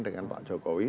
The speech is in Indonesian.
dengan pak jokowi